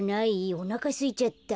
おなかすいちゃった。